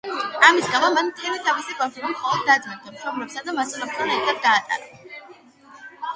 ამის გამო, მან მთელი თავისი ბავშვობა მხოლოდ და-ძმებთან, მშობლებსა და მასწავლებლებთან ერთად გაატარა.